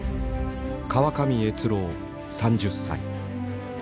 川上悦郎３０歳。